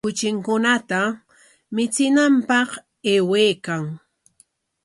Kuchinkunata michinanpaq aywaykan.